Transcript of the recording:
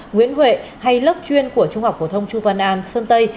nguyễn huệ hay lớp chuyên của trung học phổ thông chu văn an sơn tây